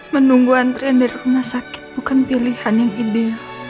menunggu antrian dari rumah sakit bukan pilihan yang ideal